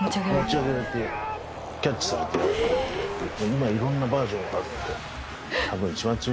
今いろんなバージョンがあるんで。